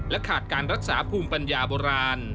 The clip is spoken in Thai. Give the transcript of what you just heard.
และขาดการรักษาพรุมปัญญาโบราณ